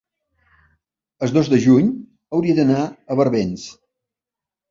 el dos de juny hauria d'anar a Barbens.